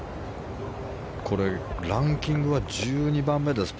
ランキングは１２番目です。